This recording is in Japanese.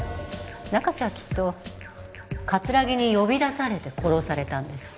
中瀬はきっと葛城に呼び出されて殺されたんです。